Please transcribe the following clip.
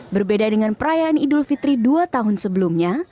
berbeda dengan perayaan idul fitri dua tahun sebelumnya